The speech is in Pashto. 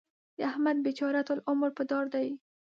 د احمد بېچاره ټول عمر په دار دی.